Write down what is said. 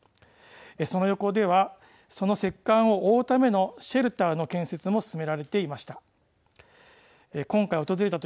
その横ではその石棺を覆うためのシェルターの建設も進められていました。